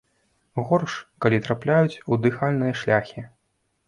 Горш, калі трапляюць у дыхальныя шляхі.